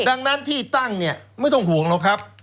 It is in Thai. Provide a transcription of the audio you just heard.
ดังนั้นที่ตั้งเนี่ยไม่ต้องห่วงหรอกครับ